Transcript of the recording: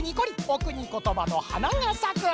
おくにことばのはながさく！